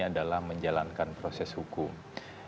adalah menjalankan proses hukum